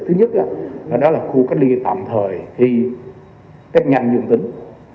thứ nhất đó là khu cách ly tạm thời khi tết nhanh dương tính